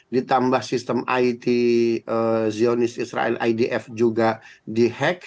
ditambah sistem it zionis israel idf juga di hack